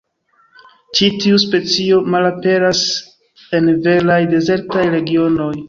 Ĉi tiu specio malaperas en veraj dezertaj regionoj.